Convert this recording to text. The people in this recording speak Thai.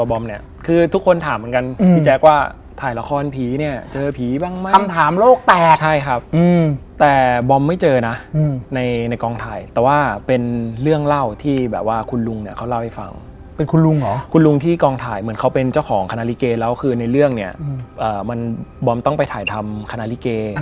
แบบสนใจไหมอะไรแบบนี้